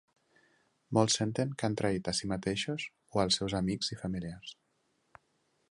Molts senten que han traït a si mateixos o als seus amics i familiars.